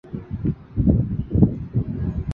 著名诗人李商隐就曾在周墀之华州幕下。